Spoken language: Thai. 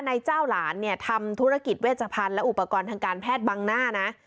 เจ้าหลานเนี่ยทำธุรกิจเวชพันธ์และอุปกรณ์ทางการแพทย์บังหน้านะ